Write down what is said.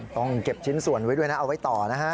ต้องเก็บชิ้นส่วนไว้ด้วยนะเอาไว้ต่อนะฮะ